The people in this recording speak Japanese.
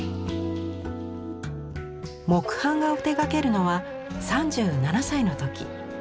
木版画を手がけるのは３７歳の時。